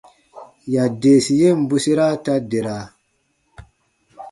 Yadeesi yen bwesera ta dera.